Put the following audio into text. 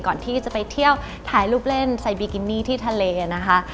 ก่อนที่จะไปเที่ยวถ่ายรูปเล่นไซบีกินี่ที่ทะเลนะคะ